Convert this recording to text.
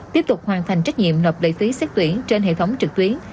tiếp tục hoàn thành trách nhiệm nập lệ phí xác tuyển trên hệ thống trực tuyến